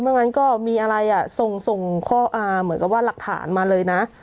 เมื่อกี้ก็มีอะไรอ่ะส่งส่งข้ออ่าเหมือนกับว่ารักฐานมาเลยนะ